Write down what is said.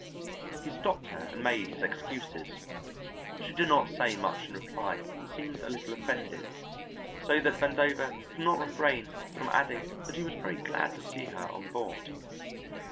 He stopped her and made his excuses; she did not say much in reply and seemed a little offended, so that Vandover could not refrain from adding that he was very glad to see her on board.